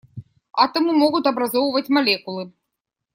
Атомы могут образовывать молекулы.